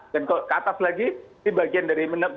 dan kalau ke atas lagi ini bagian dari b seribu enam ratus tujuh belas